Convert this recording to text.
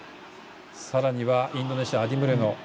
さらには、インドネシアアディムリョノ。